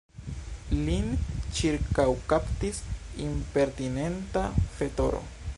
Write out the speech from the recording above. Lin ĉirkaŭkaptis impertinenta fetoro.